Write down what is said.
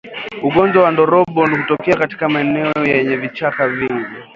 Ugonjwa wa ndorobo hutokea katika maeneo yenye vichaka vingi